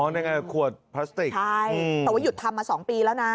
นั่นไงขวดพลาสติกใช่แต่ว่าหยุดทำมา๒ปีแล้วนะ